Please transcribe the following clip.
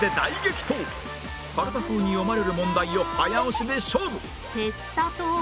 かるた風に読まれる問題を早押しで勝負